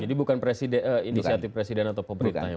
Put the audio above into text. jadi bukan presiden inisiatif presiden atau pemerintah